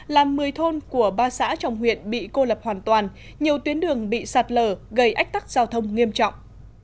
làm một mươi thôn của ba xã trong huyện bị cô lập hoàn toàn nhiều tuyến đường bị sạt lở gây ách tắc giao thông nghiêm trọng